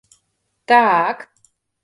— Та-ак...